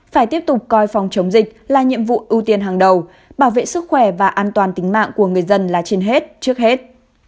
phải tiếp tục coi phòng chống dịch là nhiệm vụ ưu tiên hàng đầu bảo vệ sức khỏe và an toàn tính mạng của người dân là trên hết trước hết